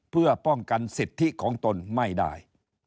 เพื่อป้องกันสิทธิของตนไม่ได้